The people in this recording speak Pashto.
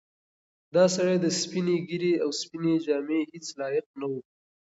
دا سړی د سپینې ږیرې او سپینې جامې هیڅ لایق نه و.